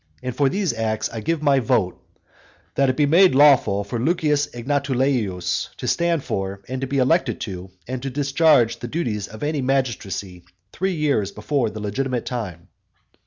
And for these acts I give my vote: "That it be made lawful for Lucius Egnatuleius to stand for, and be elected to, and discharge the duties of any magistracy, three years before the legitimate time."